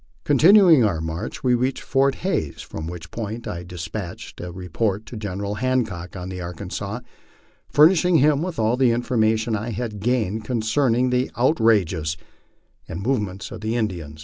Continuing our inarch, we reached Fort Hays, from which point I des patched a report to General Hancock, on the Arkansas, furnishing him all the information I had gained concerning the outrages and movements of the In dians.